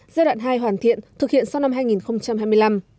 giai đoạn hai hoàn thiện thực hiện sau năm hai nghìn hai mươi năm